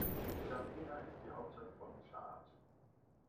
N’Djamena ist die Hauptstadt von Tschad.